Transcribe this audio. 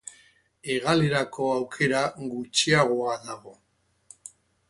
Hegalerako aukera gutxiagoa dago.